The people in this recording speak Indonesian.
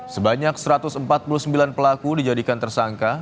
sebanyak satu ratus empat puluh sembilan pelaku dijadikan tersangka